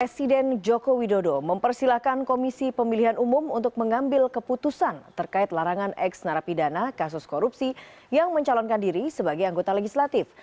presiden joko widodo mempersilahkan komisi pemilihan umum untuk mengambil keputusan terkait larangan ex narapidana kasus korupsi yang mencalonkan diri sebagai anggota legislatif